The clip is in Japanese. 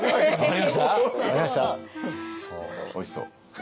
おいしそう。